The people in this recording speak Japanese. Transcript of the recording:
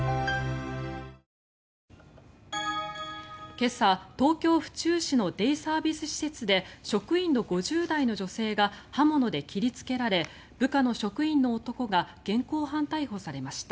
今朝、東京・府中市のデイサービス施設で職員の５０代の女性が刃物で切りつけられ部下の職員の男が現行犯逮捕されました。